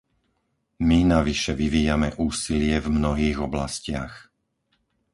My navyše vyvíjame úsilie v mnohých oblastiach.